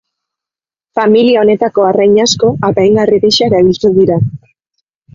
Familia honetako arrain asko apaingarri gisa erabiltzen dira.